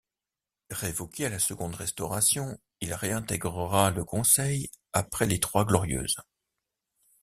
Révoqué à la seconde Restauration, il réintégra le conseil après les Trois Glorieuses.